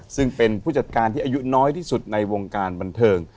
ซึ่งเป็นผู้จัดการที่อายุน้อยที่สุดในวงการบันเทิง